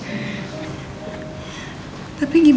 aku ingin ketemu dengan rana